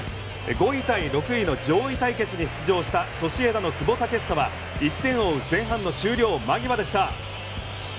５位対６位の上位対決に出場したソシエダの久保建英は１点を追う前半の終了間際でした。